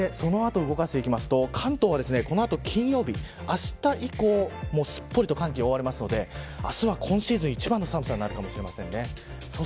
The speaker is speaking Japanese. そしてその後動かしていきますと関東は、この後金曜日あした以降すっぽりと寒気に覆われるので明日は今シーズン一番の寒さになるかもしれません。